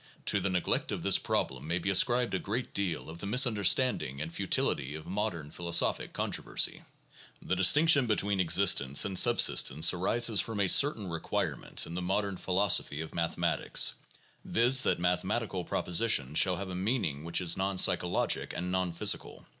To the neglect of this problem may be ascribed a great deal of the misunderstanding and futility of modern philosophic controversy. The distinction between existence and subsistence arises from a certain requirement in the modern philosophy of mathematics, viz., that mathematical propositions shall have a meaning which is non psychologic and non physical.